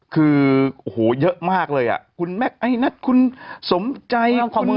คือโอ้โหเยอะมากเลยอ่ะคุณแม็กซไอนัทคุณสมใจ